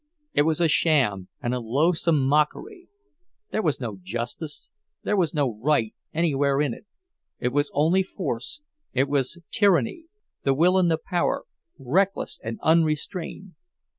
It was a sham and a loathsome mockery. There was no justice, there was no right, anywhere in it—it was only force, it was tyranny, the will and the power, reckless and unrestrained!